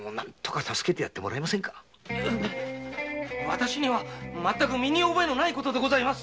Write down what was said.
私には全く身に覚えのないことでございます！